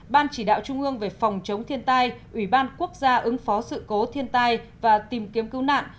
ban chỉ đạo trung ương về phòng chống thiên tai ủy ban quốc gia ứng phó sự cố thiên tai và tìm kiếm cứu nạn